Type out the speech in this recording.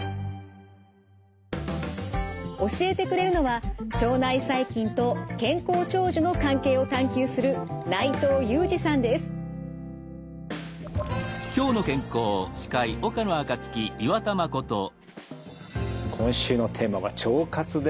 教えてくれるのは腸内細菌と健康長寿の関係を探究する今週のテーマは「腸活」です。